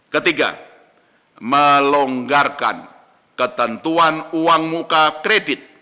ketiga melonggarkan ketentuan uang muka kredit